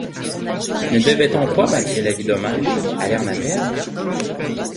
Ne devait-on pas malgré l'avis d'Omer, aller en appel?